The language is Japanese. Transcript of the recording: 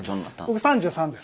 僕３３です。